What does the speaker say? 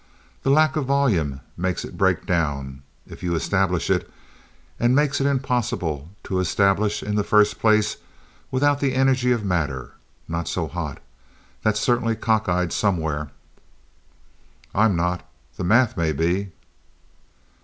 The lack of volume makes it break down, if you establish it, and makes it impossible to establish in the first place without the energy of matter. Not so hot. That's certainly cock eyed somewhere." "I'm not. The math may be."